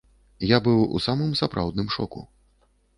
Я быў у самым сапраўдным шоку.